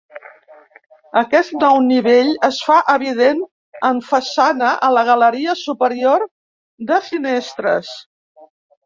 Aquest nou nivell es fa evident en façana a la galeria superior de finestres.